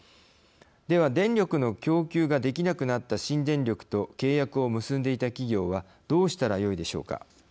では電力の供給ができなくなった新電力と契約を結んでいた企業はどうしたらよいでしょうか。